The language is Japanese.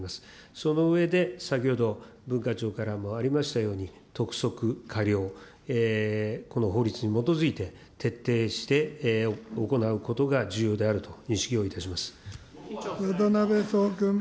その上で、先ほど、文化庁からもありましたように、督促、過料、この法律に基づいて徹底して行うことが重要であると認識をいたし渡辺創君。